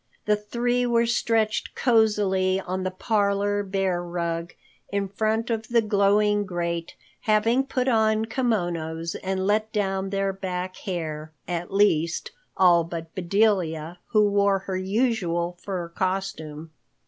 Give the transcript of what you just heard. The three were stretched cosily on the Polar Bear rug in front of the glowing grate, having put on kimonos and let down their back hair—at least, all but Bedelia who wore her usual fur costume.